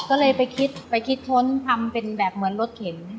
ก็เลยไปคิดไปคิดค้นทำเป็นแบบเหมือนรถเข็น